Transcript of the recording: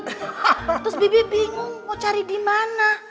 terus bibi bingung mau cari dimana